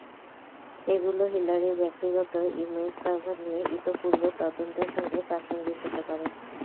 এগুলো হিলারির ব্যক্তিগত email server নিয়ে ইতিপূর্বের তদন্তের সঙ্গে প্রাসঙ্গিক হতে পারে।